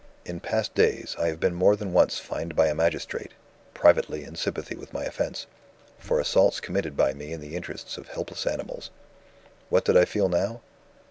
In past days, I have been more than once fined by a magistrate (privately in sympathy with my offence) for assaults committed by me in the interests of helpless animals. What did I feel now?